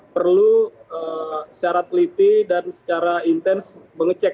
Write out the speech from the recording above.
perlu syarat teliti dan secara intens mengecek